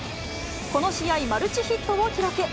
この試合、マルチヒットを記録。